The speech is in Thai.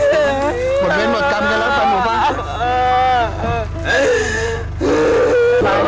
หมดเว้นหมดกำกันแล้วจับหมดปาก